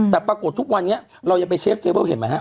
แต่ปรากฏทุกวันนี้เรายังไปเชฟเทเบิ้ลเห็นไหมฮะ